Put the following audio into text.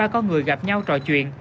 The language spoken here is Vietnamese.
ba con người gặp nhau trò chuyện